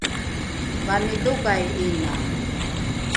vanidhokai ’ina?